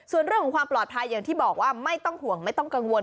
ส่วนเรื่องของความปลอดภัยอย่างที่บอกว่าไม่ต้องห่วงไม่ต้องกังวล